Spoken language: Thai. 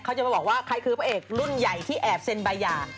เขาจะมาบอกว่าใครคือพระเอกรุ่นใหญ่ที่แอบเซ็นใบหย่า